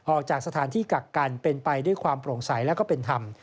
ออกจากสถานที่กักกันเป็นไปด้วยความโปร่งใสและก็เป็นธรรม